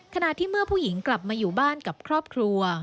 ขณะที่เมื่อผู้หญิงกลับมาอยู่บ้านกับครอบครัว